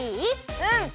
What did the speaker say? うん！